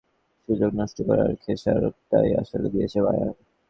শুরুর দিকে বেশ কয়েকটি গোলের সুযোগ নষ্ট করার খেসারতটাই আসলে দিয়েছে বায়ার্ন।